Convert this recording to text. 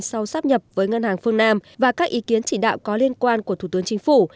sau sắp nhập với ngân hàng phương nam và các ý kiến chỉ đạo có liên quan của thủ tướng chính phủ